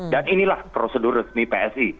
dan inilah prosedur resmi psi